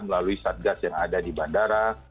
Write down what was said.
melalui satgas yang ada di bandara